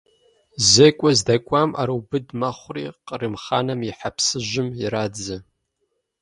ЗекӀуэ здэкӀуам, Ӏэрыубыд мэхъури, Кърым хъаным и хьэпсыжьым ирадзэ.